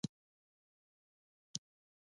پروپوزل او ماداوزل هم د دوی لپاره.